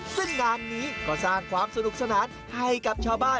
ซึ่งงานนี้ก็สร้างความสนุกสนานให้กับชาวบ้าน